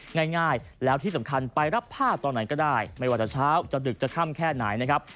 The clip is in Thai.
ง่ายแล้วที่สำคัญไปรับผ้าตอนไหนก็ได้ไม่ว่าจะเช้าจะดึกจะค่ำแค่ไหนนะครับ